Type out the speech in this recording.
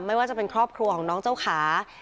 ไม่ว่าจะเป็นครอบครัวของน้องเจ้าขา